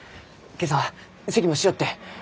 今朝はせきもしよって！